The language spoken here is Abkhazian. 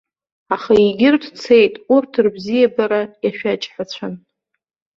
Аха егьырҭ цеит урҭ рыбзиабара иашәаџьҳәацәан.